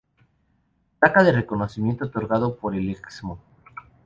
Placa de reconocimiento, otorgado por el Excmo.